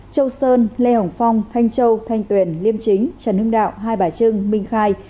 châu sơn lê hồng phong thanh châu thanh tuyền liêm chính trần hưng đạo hai bà trưng minh khai